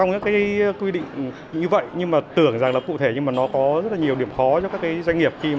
và cái quyết định về cái vấn đề này